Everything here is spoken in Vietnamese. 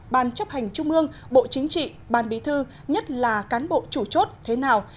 ban chấp hành trung ương bộ chính trị ban bí thư nhất là cán bộ chủ chốt thế nào